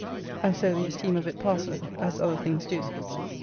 ] and so the esteem of it passeth as other things do.